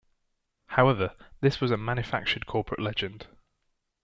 However, this was a manufactured corporate legend.